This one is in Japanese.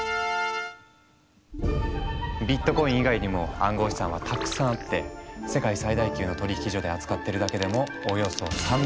ビットコイン以外にも暗号資産はたくさんあって世界最大級の取引所で扱ってるだけでもおよそ３００種類。